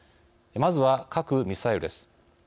まずは核・ミサイルです。